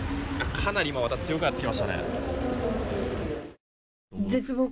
かなりまた強くなってきましたね。